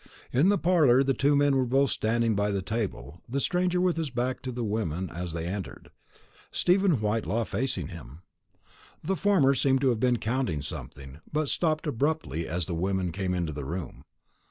In the parlour the two men were both standing by the table, the stranger with his back to the women as they entered, Stephen Whitelaw facing him. The former seemed to have been counting something, but stopped abruptly as the women came into the room.